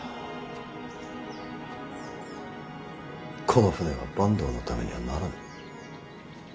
この船は坂東のためにはならぬ。